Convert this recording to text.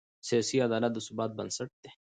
سیاسي عدالت د ثبات بنسټ دی